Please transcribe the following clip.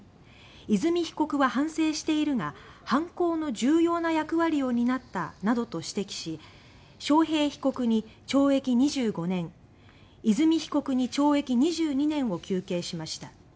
「和美被告は反省しているが犯行の重要な役割を担った」などと指摘し章平被告に懲役２５年和美被告に懲役２２年を求刑しました。